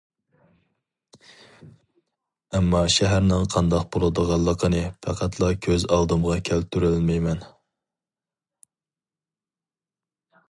ئەمما شەھەرنىڭ قانداق بولىدىغانلىقىنى پەقەتلا كۆز ئالدىمغا كەلتۈرەلمەيمەن.